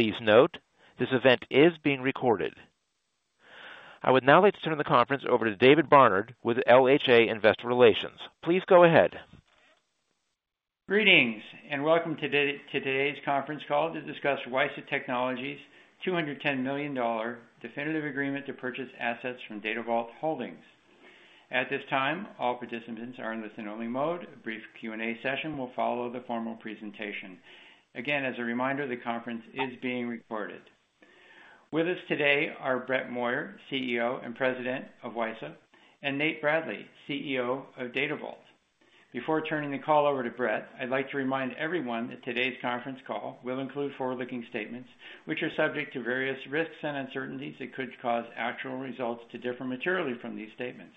Please note, this event is being recorded. I would now like to turn the conference over to David Barnard with LHA Investor Relations. Please go ahead. Greetings, and welcome to today, today's conference call to discuss WiSA Technologies $210 million definitive agreement to purchase assets from Data Vault Holdings. At this time, all participants are in listen-only mode. A brief Q&A session will follow the formal presentation. Again, as a reminder, the conference is being recorded. With us today are Brett Moyer, CEO and President of WiSA, and Nate Bradley, CEO of Data Vault. Before turning the call over to Brett, I'd like to remind everyone that today's conference call will include forward-looking statements, which are subject to various risks and uncertainties that could cause actual results to differ materially from these statements.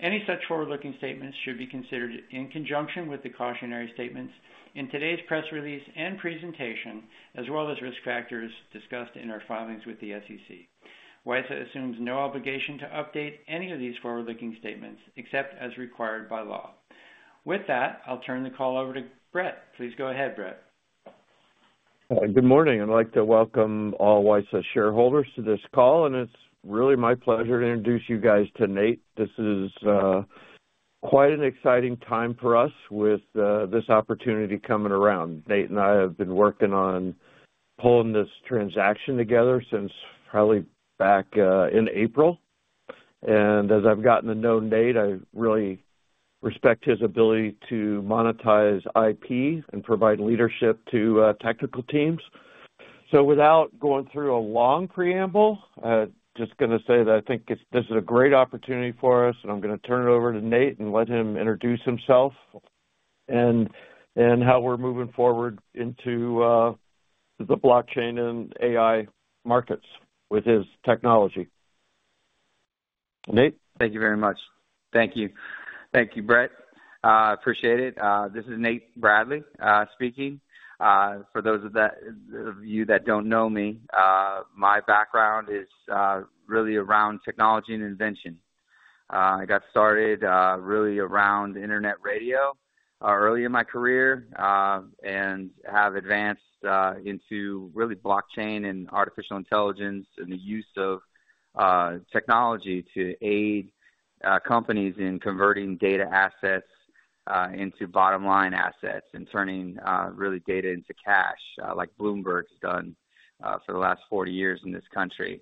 Any such forward-looking statements should be considered in conjunction with the cautionary statements in today's press release and presentation, as well as risk factors discussed in our filings with the SEC. WiSA assumes no obligation to update any of these forward-looking statements, except as required by law. With that, I'll turn the call over to Brett. Please go ahead, Brett. Good morning. I'd like to welcome all WiSA shareholders to this call, and it's really my pleasure to introduce you guys to Nate. This is quite an exciting time for us with this opportunity coming around. Nate and I have been working on pulling this transaction together since probably back in April. And as I've gotten to know Nate, I really respect his ability to monetize IP and provide leadership to technical teams. So without going through a long preamble, just going to say that this is a great opportunity for us, and I'm going to turn it over to Nate and let him introduce himself and how we're moving forward into the blockchain and AI markets with his technology. Nate? Thank you very much. Thank you. Thank you, Brett. I appreciate it. This is Nate Bradley speaking. For those of you that don't know me, my background is really around technology and invention. I got started really around internet radio early in my career, and have advanced into really blockchain and artificial intelligence and the use of technology to aid companies in converting data assets into bottom line assets and turning really data into cash, like Bloomberg's done, for the last forty years in this country.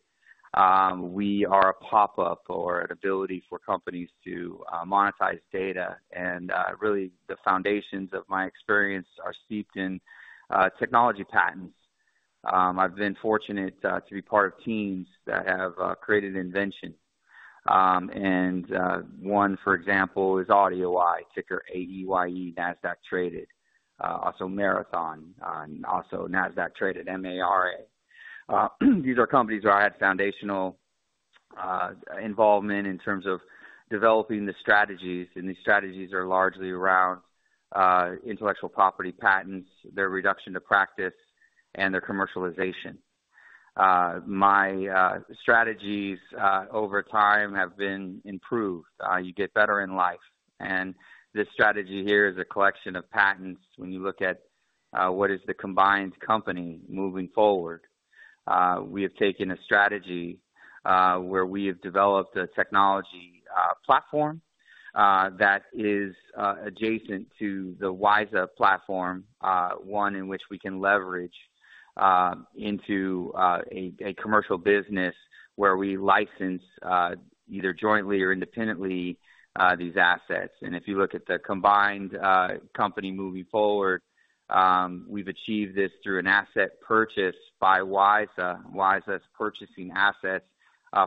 We are a pop-up or an ability for companies to monetize data, and really, the foundations of my experience are steeped in technology patents. I've been fortunate to be part of teams that have created invention. And one, for example, is AudioEye, ticker AEYE, NASDAQ-traded, also Marathon, and also NASDAQ-traded MARA. These are companies where I had foundational involvement in terms of developing the strategies, and these strategies are largely around intellectual property patents, their reduction to practice, and their commercialization. My strategies over time have been improved. You get better in life, and this strategy here is a collection of patents when you look at what is the combined company moving forward. We have taken a strategy where we have developed a technology platform that is adjacent to the WiSA platform, one in which we can leverage into a commercial business where we license either jointly or independently these assets. If you look at the combined company moving forward, we've achieved this through an asset purchase by WiSA. WiSA is purchasing assets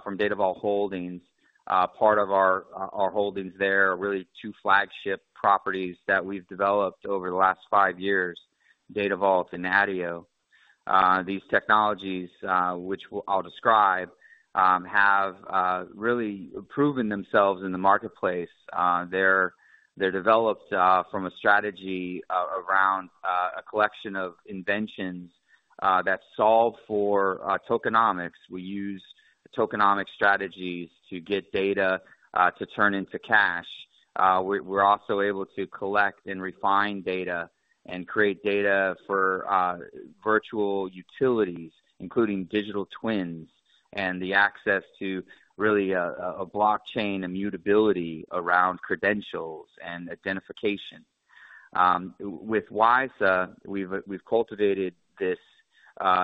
from Data Vault Holdings. Part of our holdings there are really two flagship properties that we've developed over the last five years, Data Vault and ADIO. These technologies, which I'll describe, have really proven themselves in the marketplace. They're developed from a strategy around a collection of inventions that solve for tokenomics. We use tokenomics strategies to get data to turn into cash. We're also able to collect and refine data and create data for virtual utilities, including digital twins and the access to really a blockchain immutability around credentials and identification. With WiSA, we've cultivated this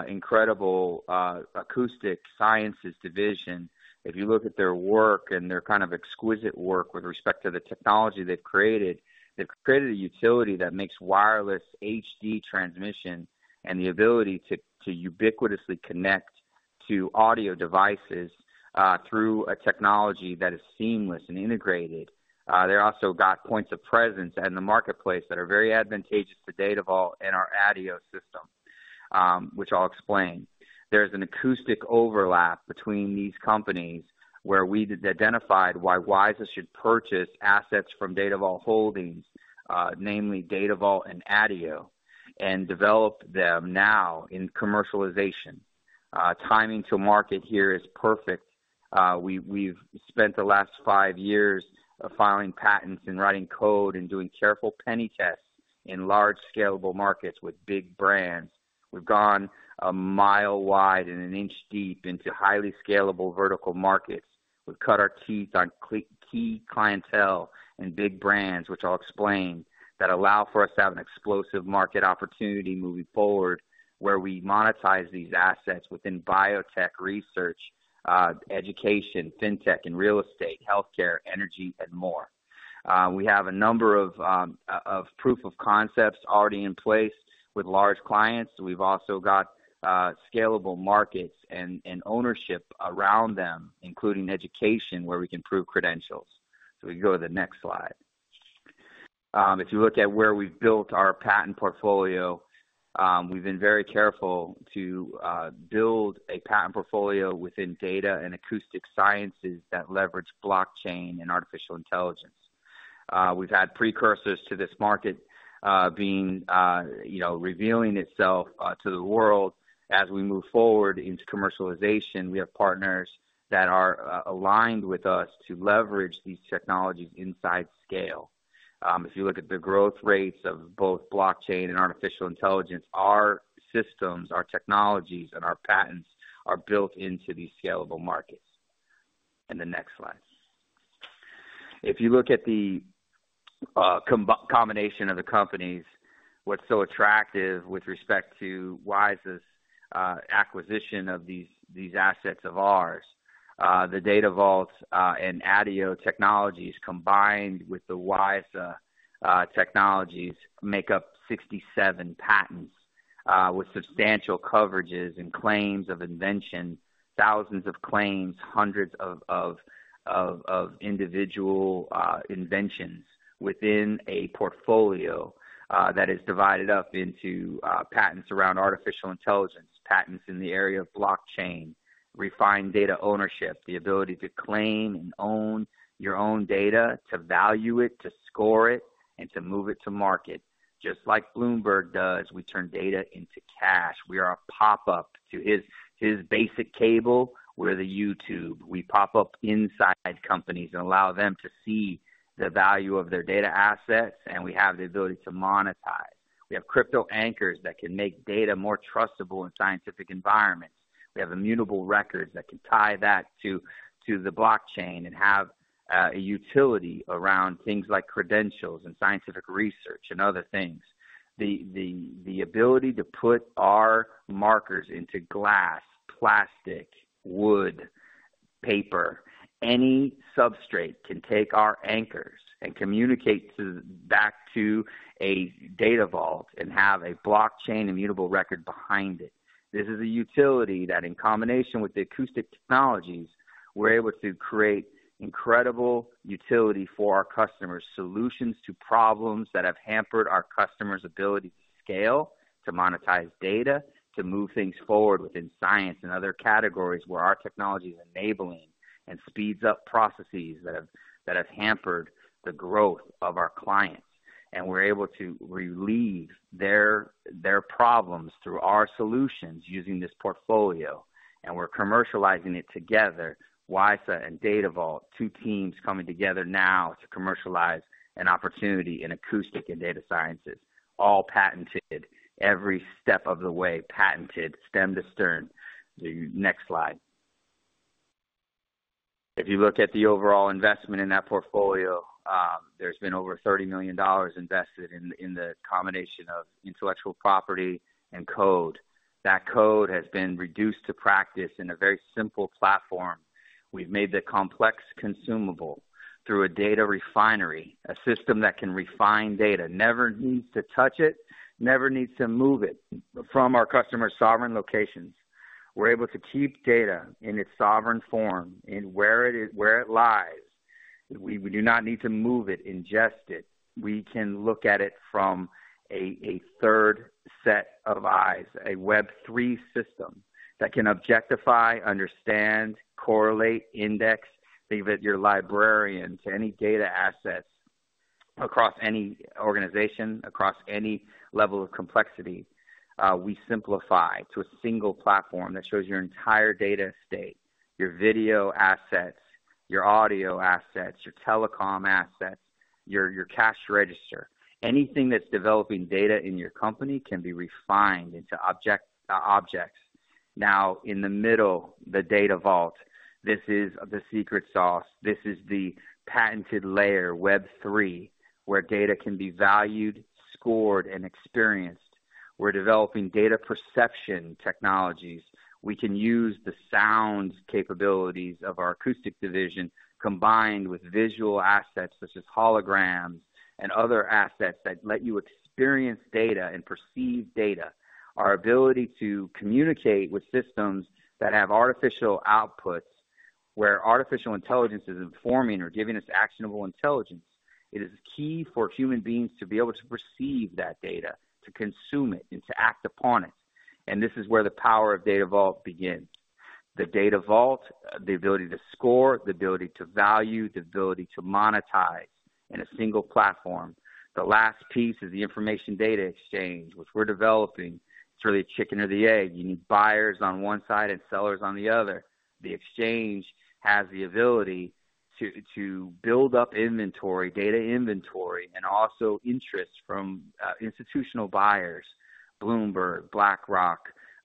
incredible acoustic sciences division. If you look at their work and their kind of exquisite work with respect to the technology they've created, they've created a utility that makes wireless HD transmission and the ability to ubiquitously connect to audio devices through a technology that is seamless and integrated. They're also got points of presence in the marketplace that are very advantageous to Data Vault and our ADIO system, which I'll explain. There's an acoustic overlap between these companies, where we identified why WiSA should purchase assets from Data Vault Holdings, namely Data Vault and ADIO, and develop them now in commercialization. Timing to market here is perfect. We've spent the last five years filing patents and writing code and doing careful pen tests in large scalable markets with big brands. We've gone a mile wide and an inch deep into highly scalable vertical markets. We've cut our teeth on key clientele and big brands, which I'll explain, that allow for us to have an explosive market opportunity moving forward, where we monetize these assets within biotech research, education, fintech, and real estate, healthcare, energy, and more. We have a number of proof of concepts already in place with large clients. We've also got scalable markets and ownership around them, including education, where we can prove credentials, so we can go to the next slide. If you look at where we've built our patent portfolio, we've been very careful to build a patent portfolio within data and acoustic sciences that leverage blockchain and artificial intelligence. We've had precursors to this market, being, you know, revealing itself, to the world. As we move forward into commercialization, we have partners that are aligned with us to leverage these technologies inside scale. If you look at the growth rates of both blockchain and artificial intelligence, our systems, our technologies, and our patents are built into these scalable markets. The next slide. If you look at the combination of the companies, what's so attractive with respect to WiSA's acquisition of these assets of ours, the Data Vault and ADIO technologies, combined with the WiSA technologies, make up 67 patents with substantial coverages and claims of invention, thousands of claims, hundreds of individual inventions within a portfolio that is divided up into patents around artificial intelligence, patents in the area of blockchain, refined data ownership, the ability to claim and own your own data, to value it, to score it, and to move it to market. Just like Bloomberg does, we turn data into cash. We are a pop-up to his basic cable. We're the YouTube. We pop up inside companies and allow them to see the value of their data assets, and we have the ability to monetize. We have crypto anchors that can make data more trustable in scientific environments. We have immutable records that can tie that to the blockchain and have a utility around things like credentials and scientific research and other things. The ability to put our markers into glass, plastic, wood, paper, any substrate can take our anchors and communicate back to a Data Vault and have a blockchain, immutable record behind it. This is a utility that in combination with the acoustic technologies, we're able to create incredible utility for our customers, solutions to problems that have hampered our customers' ability to scale, to monetize data, to move things forward within science and other categories where our technology is enabling and speeds up processes that have hampered the growth of our clients, and we're able to relieve their problems through our solutions using this portfolio, and we're commercializing it together. WiSA and Data Vault, two teams coming together now to commercialize an opportunity in acoustic and data sciences, all patented, every step of the way, patented stem to stern. The next slide. If you look at the overall investment in that portfolio, there's been over $30 million invested in the combination of intellectual property and code. That code has been reduced to practice in a very simple platform. We've made the complex consumable through a data refinery, a system that can refine data, never needs to touch it, never needs to move it from our customer's sovereign locations. We're able to keep data in its sovereign form and where it is, where it lies. We do not need to move it, ingest it. We can look at it from a third set of eyes, a Web3 system that can objectify, understand, correlate, index, be it your librarian to any data assets across any organization, across any level of complexity. We simplify to a single platform that shows your entire data estate, your video assets, your audio assets, your telecom assets, your cash register. Anything that's developing data in your company can be refined into object, objects. Now, in the middle, the Data Vault, this is the secret sauce. This is the patented layer, Web3, where data can be valued, scored, and experienced. We're developing data perception technologies. We can use the sound capabilities of our acoustic division, combined with visual assets such as holograms and other assets that let you experience data and perceive data. Our ability to communicate with systems that have artificial outputs, where artificial intelligence is informing or giving us actionable intelligence, it is key for human beings to be able to perceive that data, to consume it, and to act upon it, and this is where the power of Data Vault begins. The Data Vault, the ability to score, the ability to value, the ability to monetize in a single platform. The last piece is the Information Data Exchange, which we're developing. It's really a chicken or the egg. You need buyers on one side and sellers on the other. The exchange has the ability to build up inventory, data inventory, and also interest from institutional buyers, Bloomberg, BlackRock,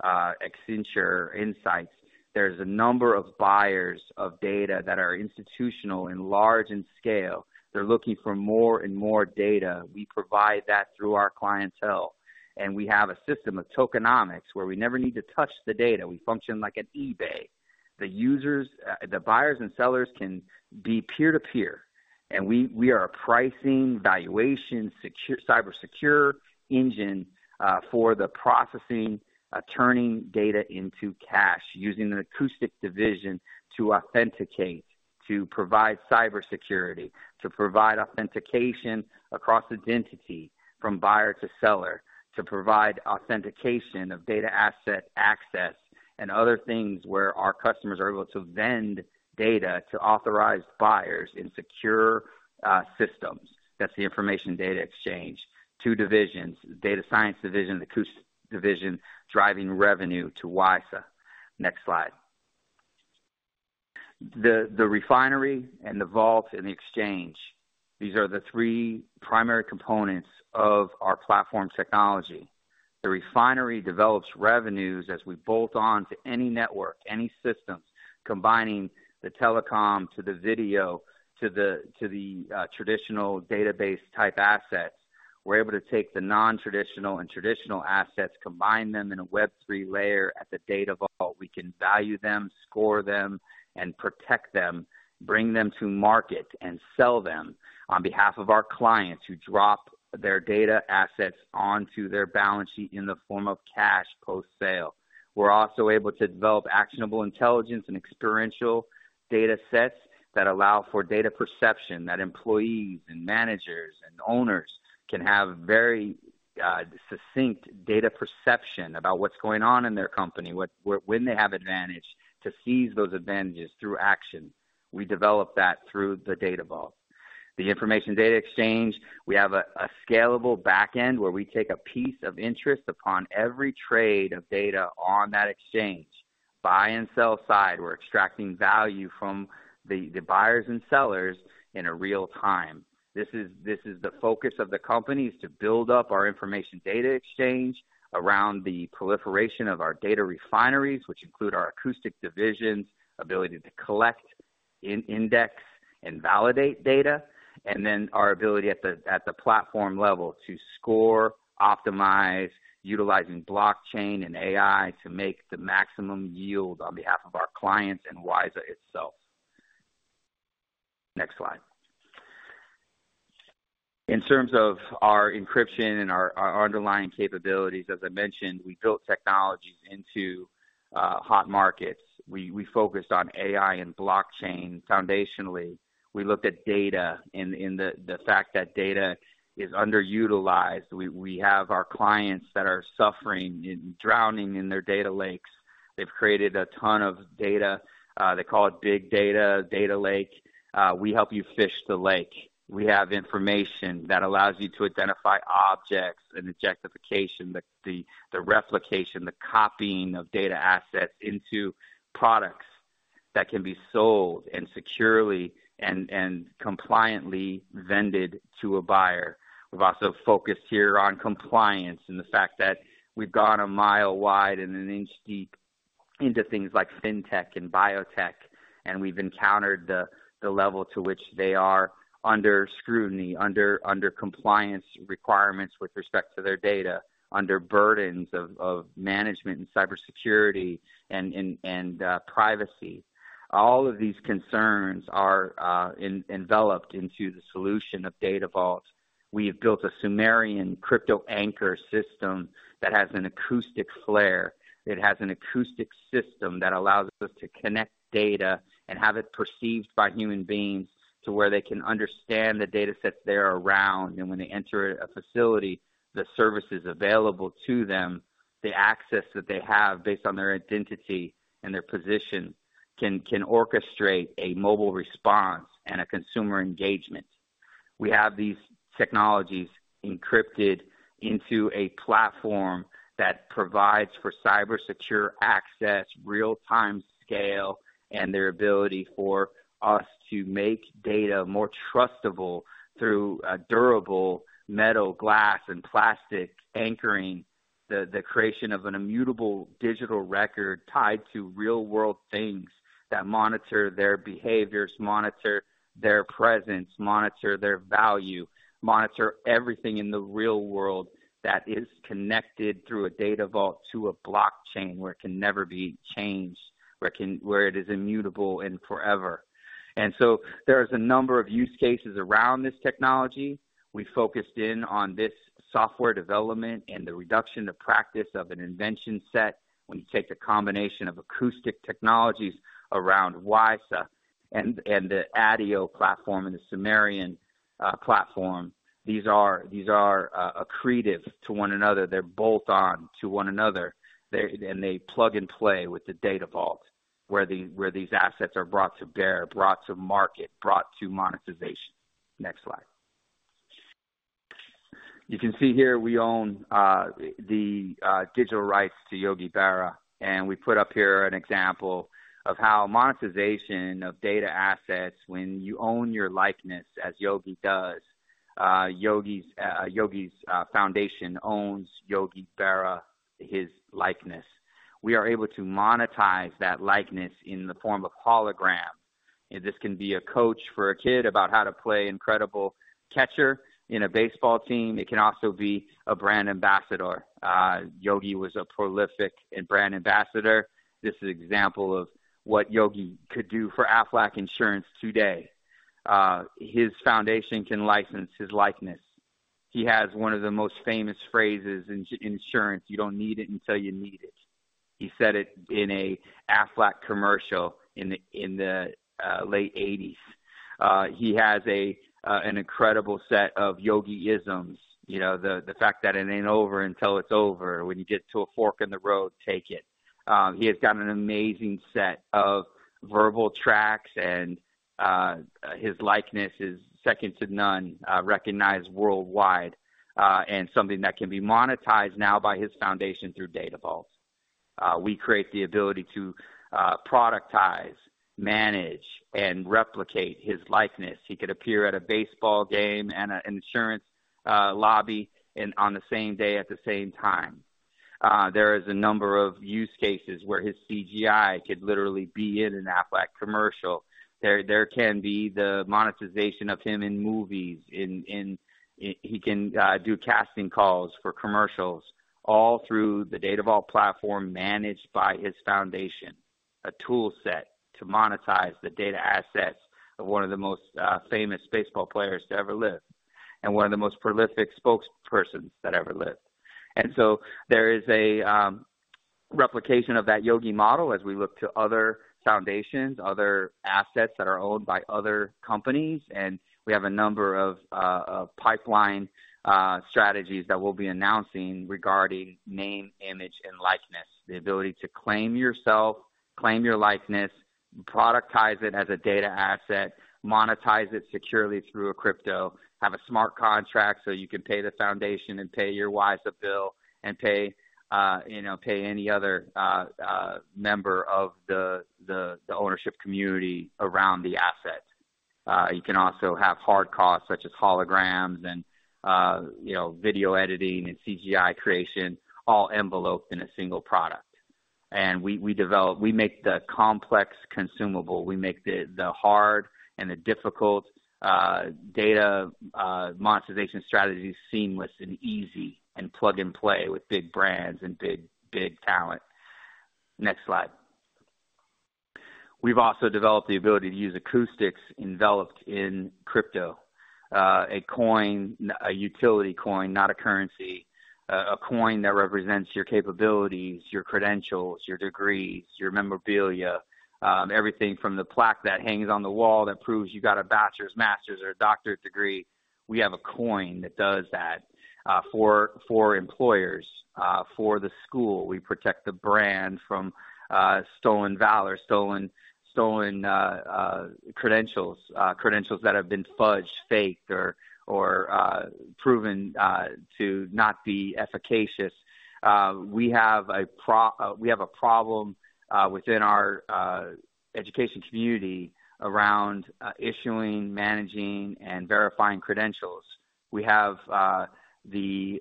Accenture, Insights. There's a number of buyers of data that are institutional and large in scale. They're looking for more and more data. We provide that through our clientele, and we have a system of tokenomics where we never need to touch the data. We function like an eBay. The users, the buyers and sellers can be peer-to-peer, and we are a pricing valuation, secure cyber secure engine, for the processing, turning data into cash, using an acoustic division to authenticate, to provide cybersecurity, to provide authentication across identity from buyer to seller, to provide authentication of data asset access, and other things where our customers are able to vend data to authorized buyers in secure, systems. That's the Information Data Exchange. Two divisions, Data Science Division, Acoustic Division, driving revenue to WiSA. Next slide. The refinery and the vault and the exchange, these are the three primary components of our platform technology. The refinery develops revenues as we bolt on to any network, any systems, combining the telecom to the video, to the, to the traditional database-type assets. We're able to take the non-traditional and traditional assets, combine them in a Web3 layer at the Data Vault. We can value them, score them, and protect them, bring them to market and sell them on behalf of our clients who drop their data assets onto their balance sheet in the form of cash post-sale. We're also able to develop actionable intelligence and experiential data sets that allow for data perception, that employees and managers and owners can have very, succinct data perception about what's going on in their company, what when they have advantage, to seize those advantages through action. We develop that through the Data Vault. The Information Data Exchange, we have a scalable back end where we take a piece of interest upon every trade of data on that exchange. Buy and sell side, we're extracting value from the buyers and sellers in real time. This is the focus of the company, is to build up our Information Data Exchange around the proliferation of our data refineries, which include our acoustic division's ability to collect, index, and validate data, and then our ability at the platform level to score, optimize, utilizing blockchain and AI to make the maximum yield on behalf of our clients and WiSA itself. Next slide. In terms of our encryption and our underlying capabilities, as I mentioned, we built technologies into hot markets. We focused on AI and blockchain foundationally. We looked at data and the fact that data is underutilized. We have our clients that are suffering and drowning in their data lakes. They've created a ton of data. They call it big data, data lake. We help you fish the lake. We have information that allows you to identify objects and objectification, the replication, the copying of data assets into products that can be sold and securely and compliantly vended to a buyer. We've also focused here on compliance and the fact that we've gone a mile wide and an inch deep into things like fintech and biotech, and we've encountered the level to which they are under scrutiny, under compliance requirements with respect to their data, under burdens of management and cybersecurity and privacy. All of these concerns are enveloped into the solution of Data Vault. We have built a Sumerian crypto anchor system that has an acoustic flair. It has an acoustic system that allows us to connect data and have it perceived by human beings to where they can understand the data sets they're around, and when they enter a facility, the services available to them, the access that they have based on their identity and their position, can orchestrate a mobile response and a consumer engagement. We have these technologies encrypted into a platform that provides for cyber secure access, real-time scale, and their ability for us to make data more trustable through a durable metal, glass, and plastic anchoring, the creation of an immutable digital record tied to real-world things that monitor their behaviors, monitor their presence, monitor their value, monitor everything in the real world that is connected through a Data Vault to a blockchain, where it can never be changed, where it is immutable and forever. There’s a number of use cases around this technology. We focused in on this software development and the reduction to practice of an invention set. When you take the combination of acoustic technologies around WiSA and the ADIO platform and the Sumerian platform. These are accretive to one another. They’re bolt-on to one another. They and they plug and play with the Data Vault, where these assets are brought to bear, brought to market, brought to monetization. Next slide. You can see here we own the digital rights to Yogi Berra, and we put up here an example of how monetization of data assets when you own your likeness, as Yogi does. Yogi’s foundation owns Yogi Berra, his likeness. We are able to monetize that likeness in the form of hologram. This can be a coach for a kid about how to play incredible catcher in a baseball team. It can also be a brand ambassador. Yogi was a prolific in brand ambassador. This is an example of what Yogi could do for Aflac Insurance today. His foundation can license his likeness. He has one of the most famous phrases in insurance: "You don't need it until you need it." He said it in a Aflac commercial in the late 1980s. He has an incredible set of Yogi-isms. You know, the, "The fact that it ain't over until it's over. When you get to a fork in the road, take it." He has got an amazing set of verbal tracks, and, his likeness is second to none, recognized worldwide, and something that can be monetized now by his foundation through Data Vault. We create the ability to, productize, manage, and replicate his likeness. He could appear at a baseball game and an insurance, lobby, and on the same day, at the same time. There is a number of use cases where his CGI could literally be in an Aflac commercial. There can be the monetization of him in movies, in, in... He can do casting calls for commercials, all through the Data Vault platform, managed by his foundation, a toolset to monetize the data assets of one of the most famous baseball players to ever live and one of the most prolific spokespersons that ever lived. And so there is a replication of that Yogi model as we look to other foundations, other assets that are owned by other companies, and we have a number of pipeline strategies that we'll be announcing regarding name, image, and likeness. The ability to claim yourself, claim your likeness, productize it as a data asset, monetize it securely through a crypto, have a smart contract so you can pay the foundation and pay your WiSA bill and pay, you know, pay any other member of the ownership community around the asset. You can also have hard costs, such as holograms and, you know, video editing and CGI creation, all enveloped in a single product. And we make the complex consumable. We make the hard and the difficult data monetization strategies seamless and easy and plug-and-play with big brands and big, big talent. Next slide. We've also developed the ability to use acoustics enveloped in crypto, a coin, a utility coin, not a currency, a coin that represents your capabilities, your credentials, your degrees, your memorabilia, everything from the plaque that hangs on the wall that proves you got a bachelor's, master's, or a doctorate degree. We have a coin that does that, for employers, for the school. We protect the brand from stolen valor, stolen credentials that have been fudged, faked, or proven to not be efficacious. We have a problem within our education community around issuing, managing, and verifying credentials. We have the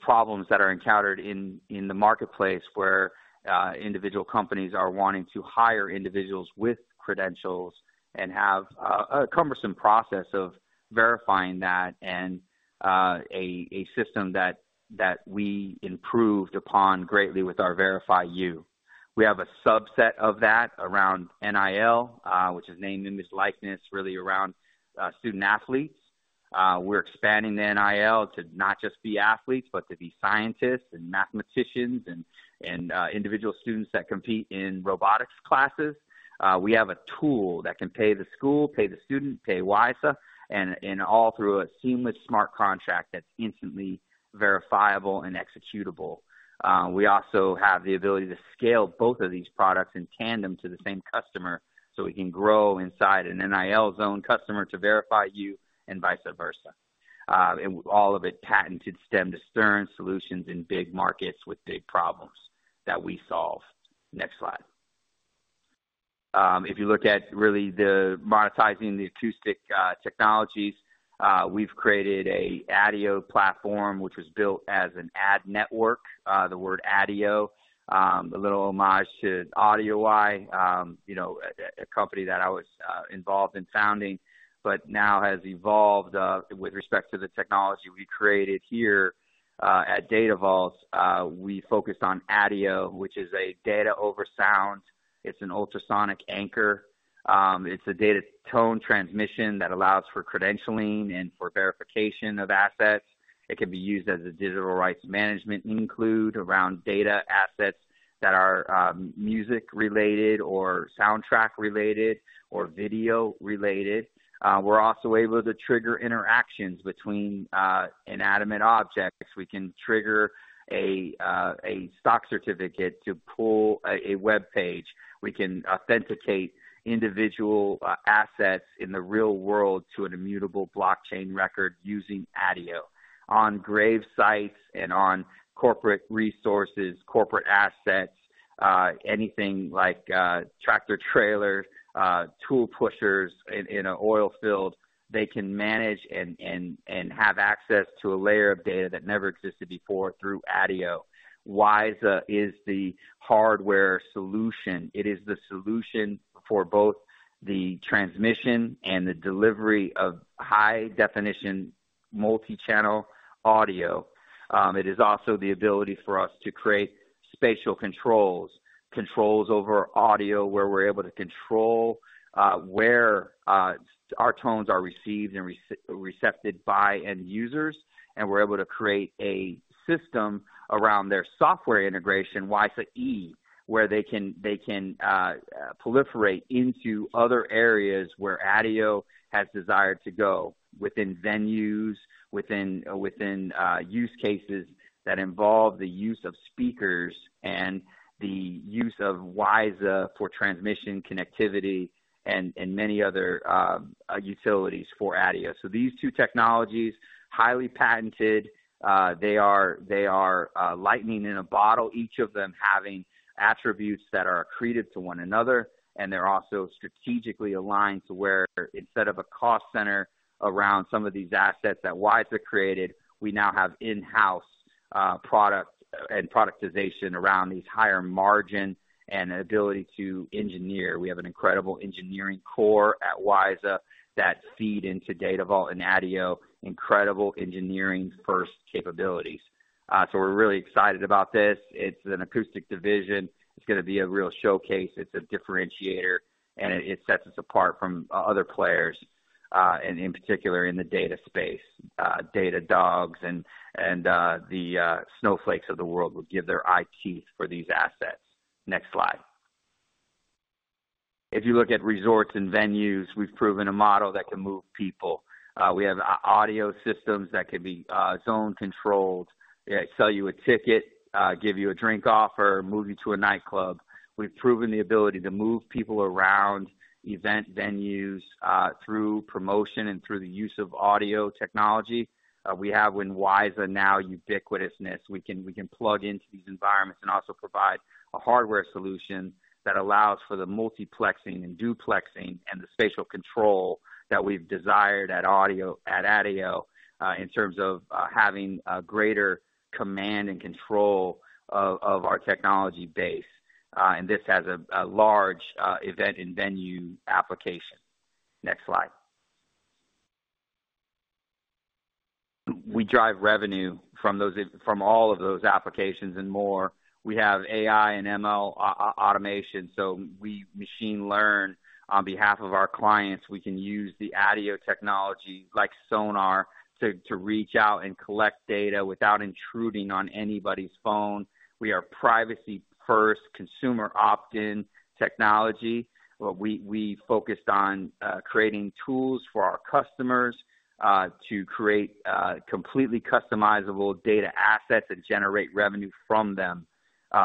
problems that are encountered in the marketplace, where individual companies are wanting to hire individuals with credentials and have a cumbersome process of verifying that and a system that we improved upon greatly with our VerifyU. We have a subset of that around NIL, which is name, image, likeness, really around student athletes. We're expanding the NIL to not just be athletes, but to be scientists and mathematicians and individual students that compete in robotics classes. We have a tool that can pay the school, pay the student, pay WiSA, and all through a seamless smart contract that's instantly verifiable and executable. We also have the ability to scale both of these products in tandem to the same customer, so we can grow inside an NIL Zone customer to VerifyU and vice versa. And all of it patented stem to stern solutions in big markets with big problems that we solve. Next slide. If you look at really monetizing the acoustic technologies, we've created an ADIO platform, which was built as an ad network. The word ADIO, a little homage to AudioEye, you know, a company that I was involved in founding, but now has evolved with respect to the technology we created here at Data Vault. We focused on ADIO, which is a data over sound. It's an ultrasonic anchor. It's a data tone transmission that allows for credentialing and for verification of assets. It can be used as a digital rights management, include around data assets that are music-related or soundtrack-related or video-related. We're also able to trigger interactions between inanimate objects. We can trigger a stock certificate to pull a webpage. We can authenticate individual assets in the real world to an immutable blockchain record using ADIO. On grave sites and on corporate resources, corporate assets, anything like tractor-trailer, tool pushers in an oil field, they can manage and have access to a layer of data that never existed before through ADIO. WiSA is the hardware solution. It is the solution for both the transmission and the delivery of high-definition multi-channel audio. It is also the ability for us to create spatial controls, controls over audio, where we're able to control where our tones are received and received by end users, and we're able to create a system around their software integration, WiSA E, where they can proliferate into other areas where ADIO has desired to go: within venues, within use cases that involve the use of speakers and the use of WiSA for transmission, connectivity, and many other utilities for ADIO. So these two technologies, highly patented, they are lightning in a bottle, each of them having attributes that are accreted to one another, and they're also strategically aligned to where instead of a cost center around some of these assets that WiSA created, we now have in-house product and productization around these higher margin and ability to engineer. We have an incredible engineering core at WiSA that feed into Data Vault and ADIO, incredible engineering-first capabilities. So we're really excited about this. It's an acoustic division. It's gonna be a real showcase. It's a differentiator, and it sets us apart from other players and in particular in the data space. Datadog and the Snowflakes of the world would give their eye teeth for these assets. Next slide. If you look at resorts and venues, we've proven a model that can move people. We have audio systems that can be zone-controlled. They sell you a ticket, give you a drink offer, move you to a nightclub. We've proven the ability to move people around event venues through promotion and through the use of audio technology. We have, with WiSA now, ubiquitousness. We can plug into these environments and also provide a hardware solution that allows for the multiplexing and duplexing and the spatial control that we've desired at ADIO in terms of having a greater command and control of our technology base, and this has a large event and venue application. Next slide. We drive revenue from all of those applications and more. We have AI and ML automation, so we machine learn on behalf of our clients. We can use the ADIO technology, like sonar, to reach out and collect data without intruding on anybody's phone. We are privacy-first, consumer opt-in technology, where we focused on creating tools for our customers to create completely customizable data assets that generate revenue from them.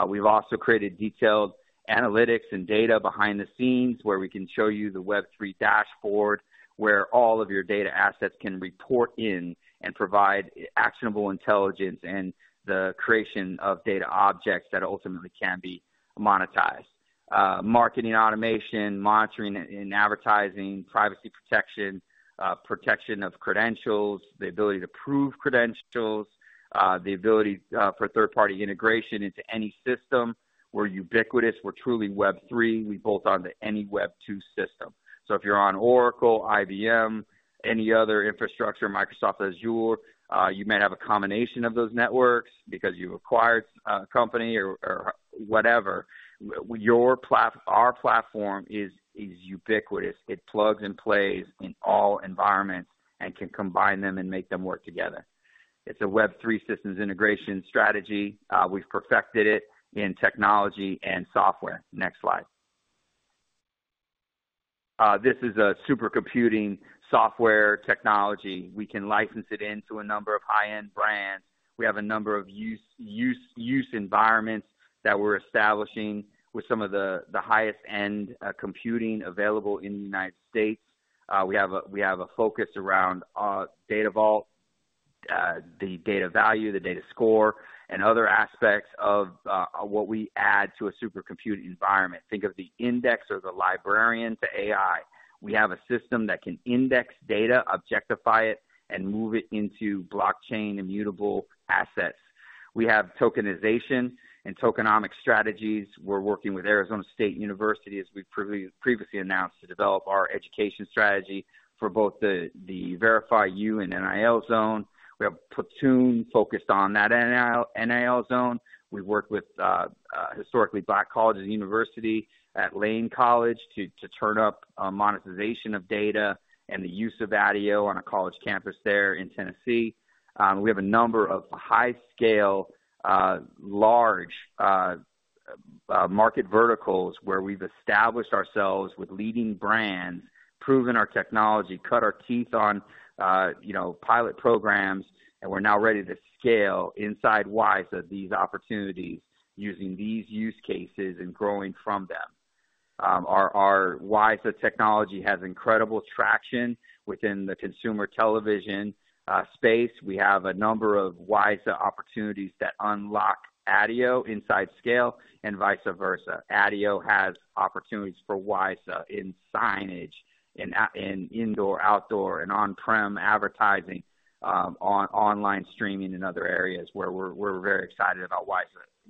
We've also created detailed analytics and data behind the scenes, where we can show you the Web3 dashboard, where all of your data assets can report in and provide actionable intelligence and the creation of data objects that ultimately can be monetized. Marketing automation, monitoring and advertising, privacy protection, protection of credentials, the ability to prove credentials, the ability for third-party integration into any system. We're ubiquitous. We're truly Web3. We bolt on to any Web2 system. So if you're on Oracle, IBM, any other infrastructure, Microsoft Azure, you might have a combination of those networks because you acquired a company or whatever. Our platform is ubiquitous. It plugs and plays in all environments and can combine them and make them work together. It's a Web3 systems integration strategy. We've perfected it in technology and software. Next slide. This is a supercomputing software technology. We can license it into a number of high-end brands. We have a number of use environments that we're establishing with some of the highest-end computing available in the United States. We have a focus around Data Vault, the DataValue, the DataScore, and other aspects of what we add to a supercomputing environment. Think of the index or the librarian to AI. We have a system that can index data, objectify it, and move it into blockchain immutable assets. We have tokenization and tokenomics strategies. We're working with Arizona State University, as we've previously announced, to develop our education strategy for both the VerifyU and NIL Zone. We have Platoon focused on that NIL Zone. We work with Historically Black Colleges and University at Lane College to turn up monetization of data and the use of ADIO on a college campus there in Tennessee. We have a number of high-scale large market verticals where we've established ourselves with leading brands, proven our technology, cut our teeth on, you know, pilot programs, and we're now ready to scale inside WiSA these opportunities using these use cases and growing from them. Our WiSA technology has incredible traction within the consumer television space. We have a number of WiSA opportunities that unlock ADIO inside scale and vice versa. ADIO has opportunities for WiSA in signage, in indoor, outdoor, and on-prem advertising, online streaming in other areas where we're very excited about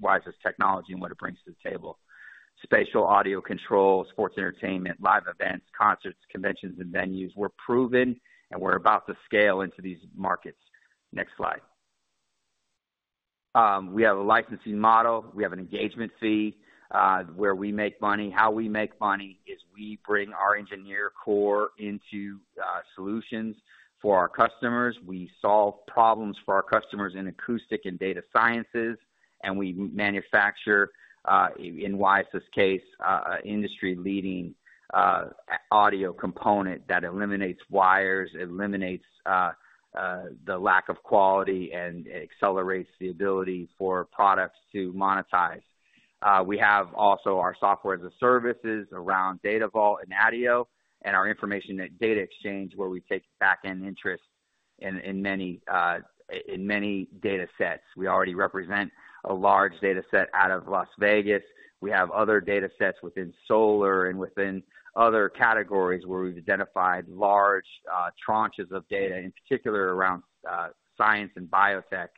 WiSA's technology and what it brings to the table. Spatial audio control, sports entertainment, live events, concerts, conventions, and venues. We're proven, and we're about to scale into these markets. Next slide. We have a licensing model. We have an engagement fee where we make money. How we make money is we bring our engineering core into solutions for our customers. We solve problems for our customers in acoustic and data sciences, and we manufacture, in WiSA's case, a industry-leading audio component that eliminates wires, eliminates the lack of quality, and accelerates the ability for products to monetize. We have also our software as a services around Data Vault and ADIO, and our information data exchange, where we take backend interest in many data sets. We already represent a large data set out of Las Vegas. We have other data sets within solar and within other categories where we've identified large tranches of data, in particular around science and biotech,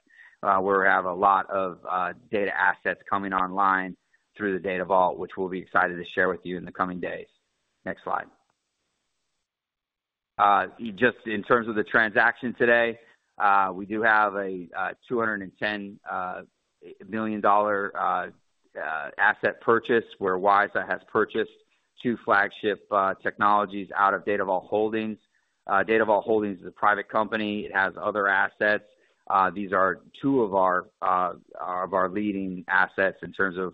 where we have a lot of data assets coming online through the Data Vault, which we'll be excited to share with you in the coming days. Next slide. Just in terms of the transaction today, we do have a $210 million asset purchase, where WiSA has purchased two flagship technologies out of Data Vault Holdings. Data Vault Holdings is a private company. It has other assets. These are two of our leading assets in terms of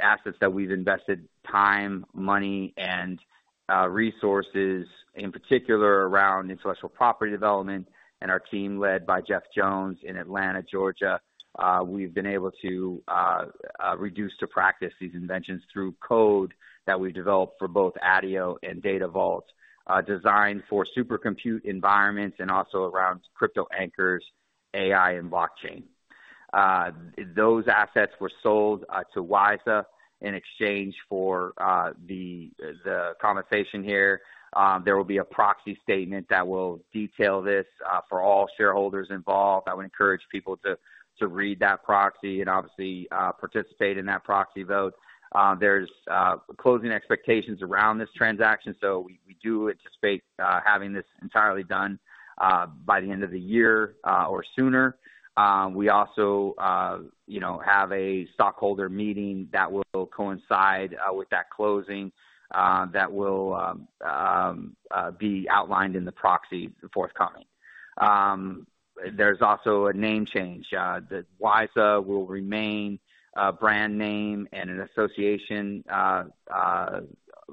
assets that we've invested time, money, and resources, in particular, around intellectual property development, and our team, led by Jeff Jones in Atlanta, Georgia. We've been able to reduce to practice these inventions through code that we developed for both ADIO and Data Vault, designed for supercompute environments and also around crypto anchors, AI, and blockchain. Those assets were sold to WiSA in exchange for the compensation here. There will be a proxy statement that will detail this for all shareholders involved. I would encourage people to read that proxy and obviously participate in that proxy vote. There's closing expectations around this transaction, so we do anticipate having this entirely done by the end of the year or sooner. We also you know have a stockholder meeting that will coincide with that closing that will be outlined in the proxy forthcoming. There's also a name change. The WiSA will remain a brand name and an association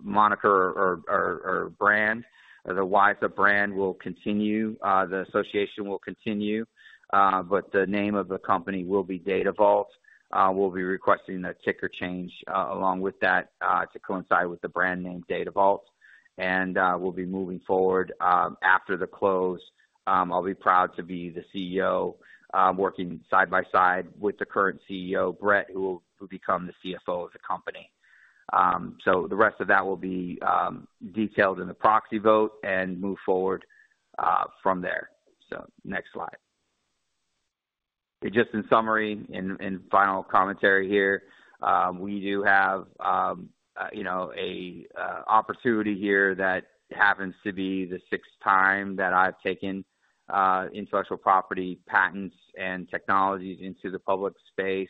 moniker or brand. The WiSA brand will continue, the association will continue, but the name of the company will be Data Vault. We'll be requesting a ticker change, along with that, to coincide with the brand name Data Vault, and we'll be moving forward after the close. I'll be proud to be the CEO, working side by side with the current CEO, Brett, who will become the CFO of the company. So the rest of that will be detailed in the proxy vote and move forward from there. So next slide. Just in summary, and final commentary here, we do have you know a opportunity here that happens to be the sixth time that I've taken intellectual property patents and technologies into the public space.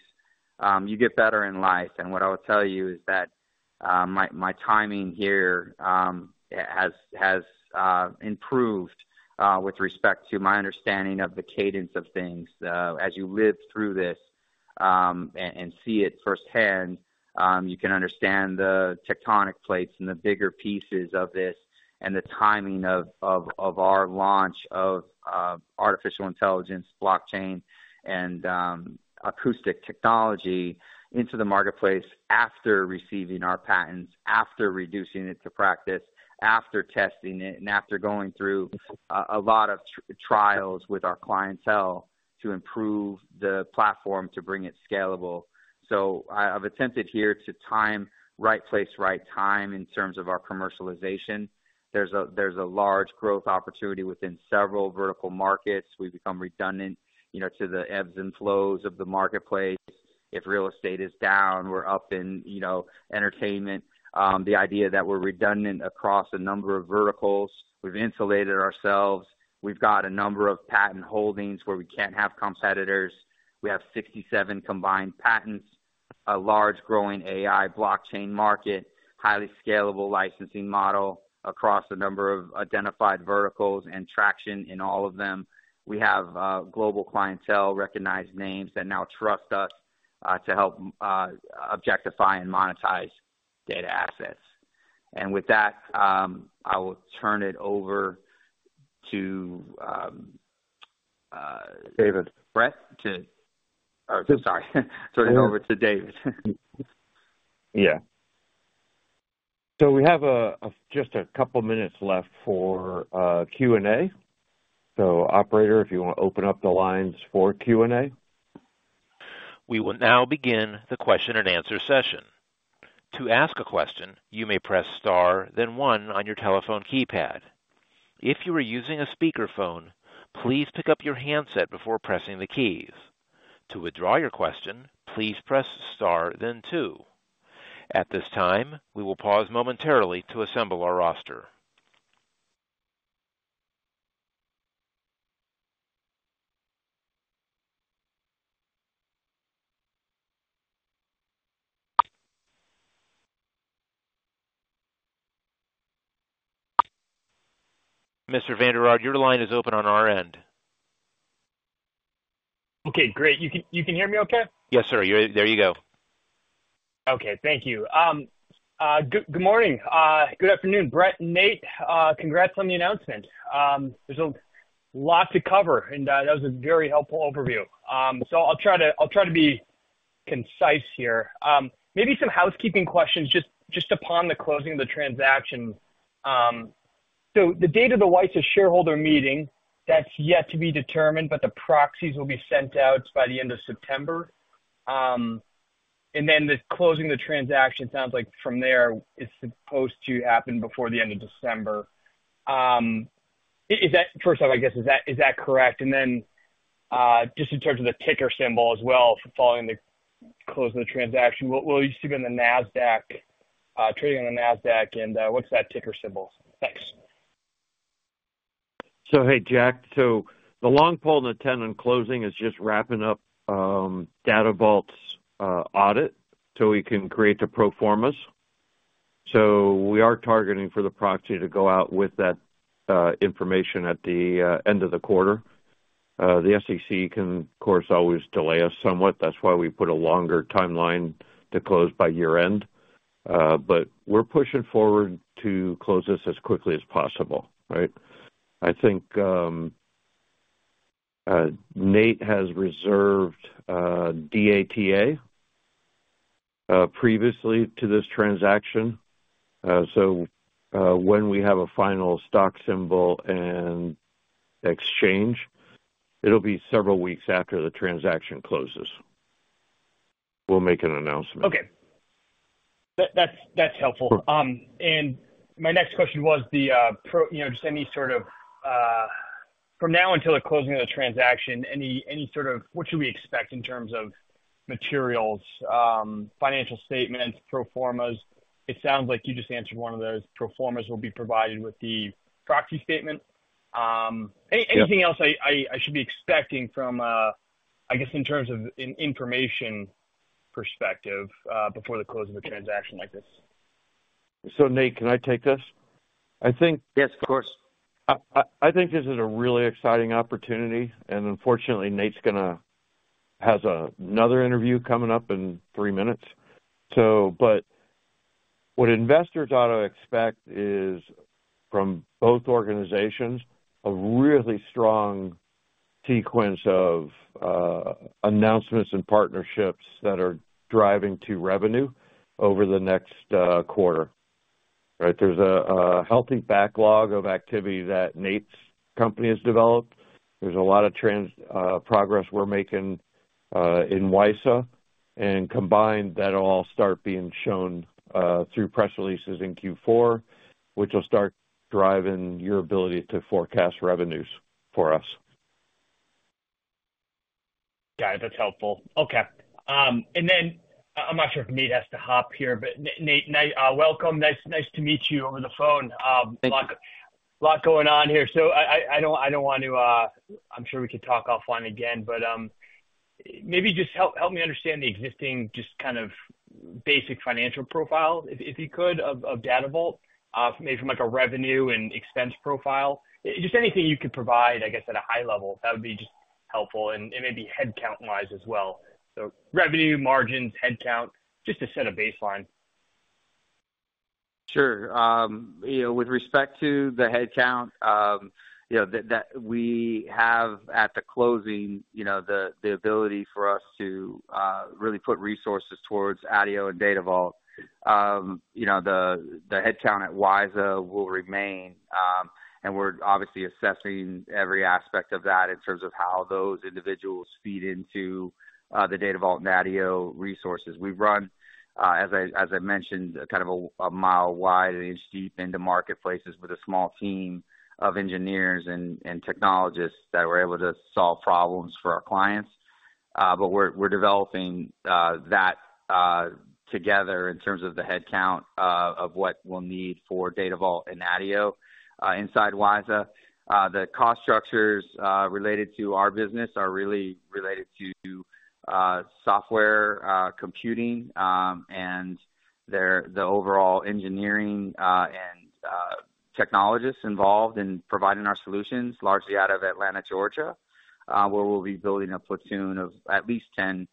You get better in life, and what I will tell you is that my timing here has improved with respect to my understanding of the cadence of things. As you live through this, and see it firsthand, you can understand the tectonic plates and the bigger pieces of this and the timing of our launch of artificial intelligence, blockchain, and acoustic technology into the marketplace after receiving our patents, after reducing it to practice, after testing it, and after going through a lot of trials with our clientele to improve the platform to bring it scalable. So I've attempted here to time right place, right time in terms of our commercialization. There's a large growth opportunity within several vertical markets. We've become redundant, you know, to the ebbs and flows of the marketplace. If real estate is down, we're up in, you know, entertainment. The idea that we're redundant across a number of verticals. We've insulated ourselves. We've got a number of patent holdings where we can't have competitors. We have sixty-seven combined patents, a large growing AI blockchain market, highly scalable licensing model across a number of identified verticals and traction in all of them. We have a global clientele, recognized names that now trust us to help objectify and monetize data assets. With that, I will turn it over to David. Brett, turn it over to David. Yeah. So we have just a couple minutes left for Q&A. So operator, if you want to open up the lines for Q&A. We will now begin the question-and-answer session. To ask a question, you may press star, then one on your telephone keypad. If you are using a speakerphone, please pick up your handset before pressing the keys. To withdraw your question, please press star then two. At this time, we will pause momentarily to assemble our roster. Mr. Vander Aarde, your line is open on our end. Okay, great. You can hear me okay? Yes, sir. You're-- There you go. Okay. Thank you. Good morning. Good afternoon, Brett and Nate. Congrats on the announcement. There's a lot to cover, and that was a very helpful overview. So I'll try to be concise here. Maybe some housekeeping questions just upon the closing of the transaction. So the date of the WiSA shareholder meeting, that's yet to be determined, but the proxies will be sent out by the end of September. And then the closing the transaction sounds like from there, it's supposed to happen before the end of December. Is that... First off, I guess, is that correct? And then, just in terms of the ticker symbol as well, following the close of the transaction, will you still be on the NASDAQ, trading on the NASDAQ, and what's that ticker symbol? Thanks. Hey, Jack. The long pole in the tent in closing is just wrapping up Data Vault's audit so we can create the pro formas. We are targeting for the proxy to go out with that information at the end of the quarter. The SEC can, of course, always delay us somewhat. That's why we put a longer timeline to close by year end. But we're pushing forward to close this as quickly as possible, right? I think Nate has reserved DATA previously to this transaction. When we have a final stock symbol and exchange, it'll be several weeks after the transaction closes. We'll make an announcement. Okay. That's helpful. Sure. And my next question was, you know, just any sort of, from now until the closing of the transaction, any sort of what should we expect in terms of materials, financial statements, pro formas? It sounds like you just answered one of those. Pro formas will be provided with the proxy statement. Yeah. Anything else I should be expecting from, I guess, in terms of information perspective, before the close of a transaction like this? So, Nate, can I take this? I think- Yes, of course. I think this is a really exciting opportunity, and unfortunately, Nate has another interview coming up in three minutes. So but what investors ought to expect is, from both organizations, a really strong sequence of announcements and partnerships that are driving to revenue over the next quarter, right? There's a healthy backlog of activity that Nate's company has developed. There's a lot of progress we're making in WiSA, and combined, that'll all start being shown through press releases in Q4, which will start driving your ability to forecast revenues for us. Got it. That's helpful. Okay, and then I'm not sure if Nate has to hop here, but Nate, welcome. Nice to meet you over the phone. Thank you. A lot going on here, so I don't want to. I'm sure we could talk offline again, but maybe just help me understand the existing, just kind of basic financial profile, if you could, of Data Vault, maybe from like a revenue and expense profile. Just anything you could provide, I guess, at a high level, that would be just helpful and maybe headcount-wise as well. So revenue, margins, headcount, just to set a baseline. Sure. You know, with respect to the headcount, you know, that we have at the closing, you know, the ability for us to really put resources towards ADIO and Data Vault. You know, the headcount at WiSA will remain, and we're obviously assessing every aspect of that in terms of how those individuals feed into the Data Vault and ADIO resources. We've run, as I mentioned, kind of a mile wide and inch deep into marketplaces with a small team of engineers and technologists that were able to solve problems for our clients. But we're developing that together in terms of the headcount of what we'll need for Data Vault and ADIO inside WiSA. The cost structures related to our business are really related to software, computing, and the overall engineering technologists involved in providing our solutions, largely out of Atlanta, Georgia, where we'll be building a platoon of at least 10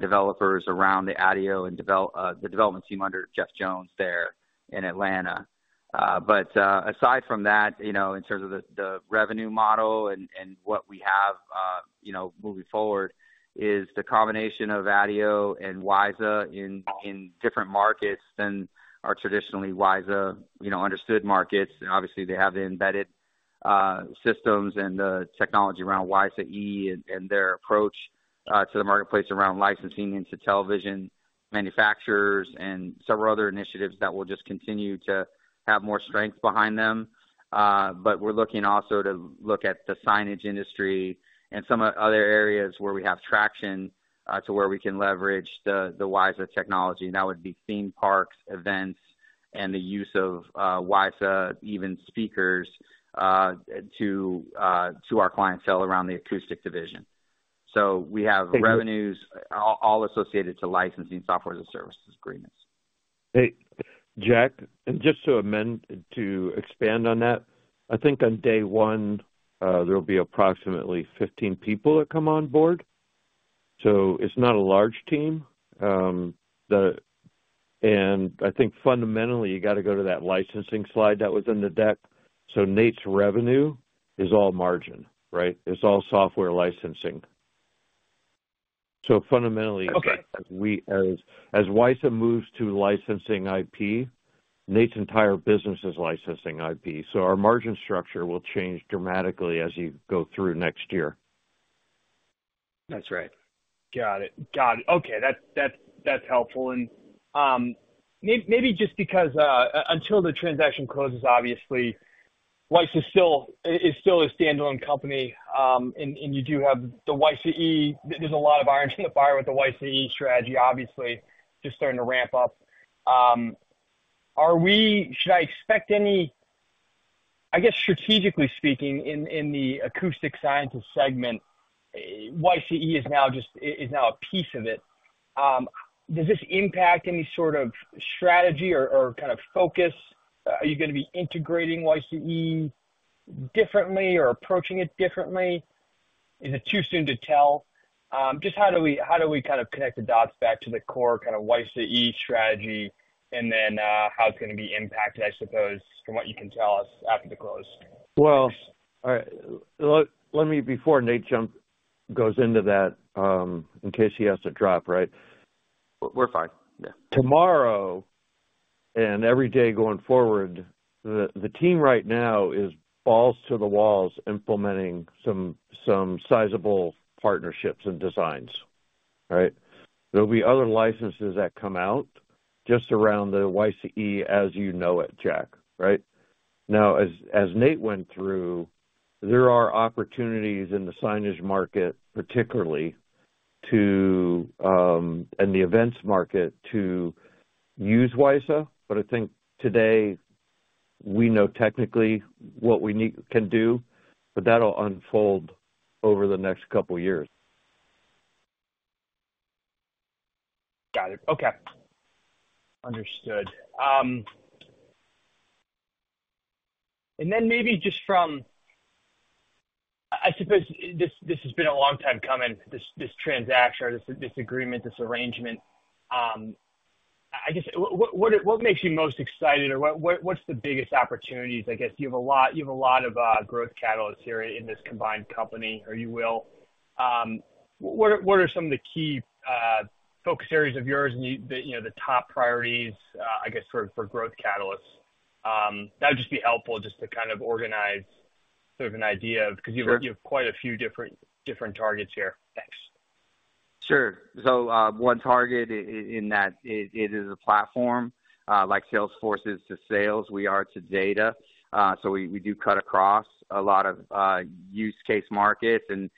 developers around the ADIO and the development team under Jeff Jones there in Atlanta. But aside from that, you know, in terms of the revenue model and what we have, you know, moving forward, is the combination of ADIO and WiSA in different markets than our traditional WiSA, you know, understood markets. Obviously, they have the embedded systems and the technology around WiSA E and their approach to the marketplace around licensing into television manufacturers and several other initiatives that will just continue to have more strength behind them. But we're looking also to look at the signage industry and some other areas where we have traction to where we can leverage the WiSA technology. And that would be theme parks, events, and the use of WiSA-enabled speakers to our clients sell around the acoustic division. So we have- Thank you. Revenues, all associated to licensing software as a service agreements. Hey, Jack, and just to amend- to expand on that, I think on day one, there'll be approximately 15 people that come on board, so it's not a large team. And I think fundamentally, you got to go to that licensing slide that was in the deck. So Nate's revenue is all margin, right? It's all software licensing. So fundamentally- Okay. As WiSA moves to licensing IP, Nate's entire business is licensing IP, so our margin structure will change dramatically as you go through next year. That's right. Got it. Got it. Okay, that's, that's, that's helpful. And, maybe just because, until the transaction closes, obviously, WiSA is still, it's still a standalone company, and you do have the WiSA E. There's a lot of iron in the fire with the WiSA E strategy, obviously, just starting to ramp up. Should I expect any? I guess, strategically speaking, in the acoustic sciences segment, WiSA E is now just, is now a piece of it. Does this impact any sort of strategy or kind of focus? Are you gonna be integrating WiSA E differently or approaching it differently? Is it too soon to tell? Just how do we kind of connect the dots back to the core kind of WiSA E strategy, and then, how it's gonna be impacted, I suppose, from what you can tell us after the close? All right. Let me, before Nate goes into that, in case he has to drop, right? We're fine. Yeah. Tomorrow, and every day going forward, the team right now is balls to the walls, implementing some sizable partnerships and designs. All right? There'll be other licenses that come out just around the WiSA E as you know it, Jack, right? Now, as Nate went through, there are opportunities in the signage market, particularly to, and the events market to use WiSA, but I think today, we know technically what we need we can do, but that'll unfold over the next couple of years. Got it. Okay. Understood. And then maybe just from... I suppose this has been a long time coming, this transaction or this agreement, this arrangement. I guess, what makes you most excited, or what's the biggest opportunities? I guess you have a lot of growth catalysts here in this combined company, or you will. What are some of the key focus areas of yours, the, you know, the top priorities, I guess, sort of for growth catalysts? That would just be helpful just to kind of organize sort of an idea- Sure. Because you have quite a few different targets here. Thanks. Sure. So, one target in that it is a platform like Salesforce is to sales, we are to data. So we do cut across a lot of use case markets and,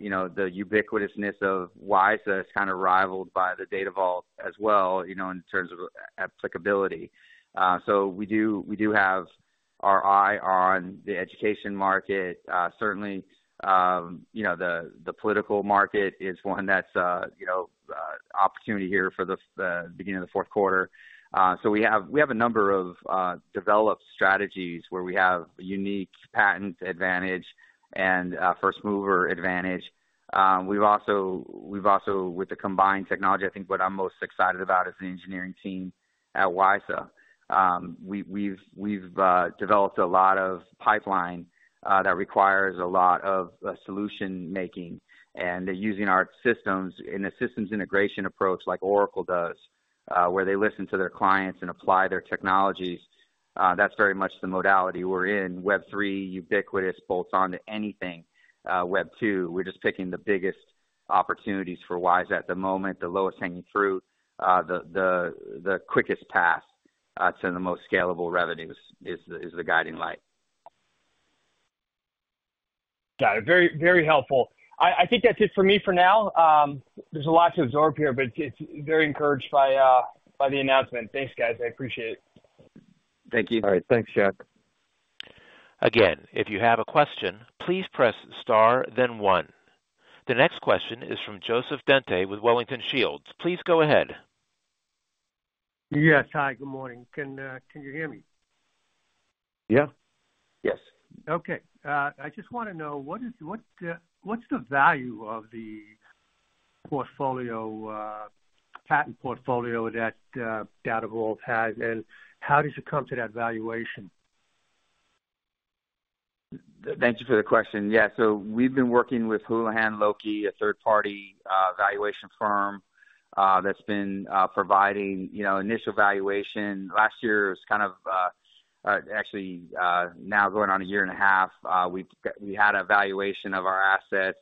you know, the ubiquitousness of WiSA is kind of rivaled by the Data Vault as well, you know, in terms of applicability. So we do have our eye on the education market. Certainly, you know, the political market is one that's opportunity here for the beginning of the fourth quarter. So we have a number of developed strategies where we have unique patent advantage and first-mover advantage. We've also, with the combined technology, I think what I'm most excited about is the engineering team at WiSA. We've developed a lot of pipeline that requires a lot of solution making and using our systems in a systems integration approach like Oracle does, where they listen to their clients and apply their technologies. That's very much the modality we're in, Web3, ubiquitous, bolts onto anything, Web2. We're just picking the biggest opportunities for WiSA at the moment, the lowest hanging fruit, the quickest path to the most scalable revenues is the guiding light. Got it. Very, very helpful. I think that's it for me for now. There's a lot to absorb here, but I'm very encouraged by the announcement. Thanks, guys. I appreciate it. Thank you. All right. Thanks, Jack. Again, if you have a question, please press star, then one. The next question is from Joseph Dente with Wellington Shields. Please go ahead. Yes. Hi, good morning. Can you hear me? Yeah. Yes. Okay. I just want to know what's the value of the portfolio, patent portfolio that Data Vault has, and how does it come to that valuation? Thank you for the question. Yeah, so we've been working with Houlihan Lokey, a third-party valuation firm that's been providing, you know, initial valuation. Last year was kind of actually now going on a year and a half, we had a valuation of our assets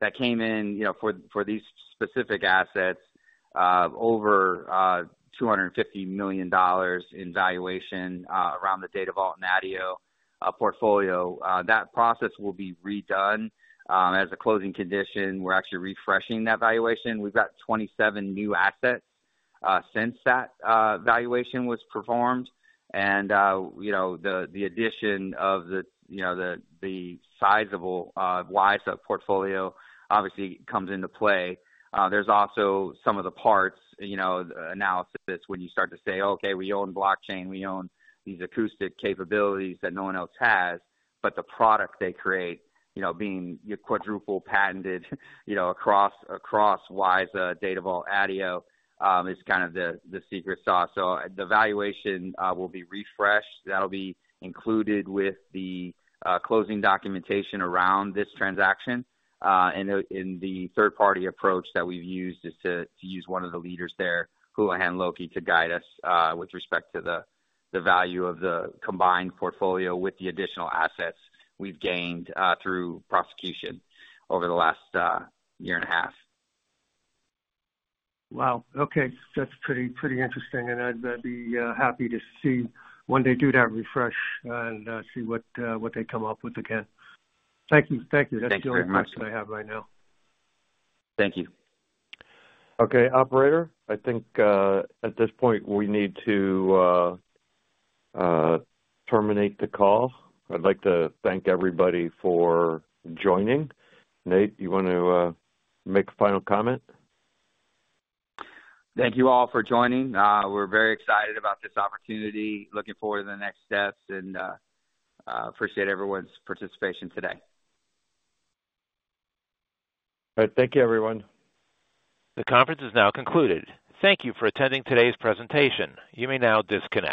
that came in, you know, for these specific assets, over $250 million in valuation around the Data Vault and ADIO portfolio. That process will be redone as a closing condition. We're actually refreshing that valuation. We've got 27 new assets since that valuation was performed. You know, the addition of the sizable WiSA portfolio obviously comes into play. There's also some of the parts, you know, analysis, when you start to say: "Okay, we own blockchain, we own these acoustic capabilities that no one else has," but the product they create, you know, being quadruple patented, you know, across WiSA, Data Vault, ADIO, is kind of the secret sauce. So the valuation will be refreshed. That'll be included with the closing documentation around this transaction. And the third-party approach that we've used is to use one of the leaders there, Houlihan Lokey, to guide us with respect to the value of the combined portfolio with the additional assets we've gained through prosecution over the last year and a half. Wow. Okay. That's pretty, pretty interesting, and I'd be happy to see when they do that refresh and see what what they come up with again. Thank you. Thank you. Thank you very much. That's the only question I have right now. Thank you. Okay, operator, I think at this point we need to terminate the call. I'd like to thank everybody for joining. Nate, you want to make a final comment? Thank you all for joining. We're very excited about this opportunity. Looking forward to the next steps, and I appreciate everyone's participation today. All right. Thank you, everyone. The conference is now concluded. Thank you for attending today's presentation. You may now disconnect.